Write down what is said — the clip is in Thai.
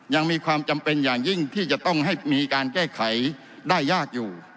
ยังมีความจำเป็นอย่างยิ่งที่จะต้องให้มีการแก้ไขได้ยากอยู่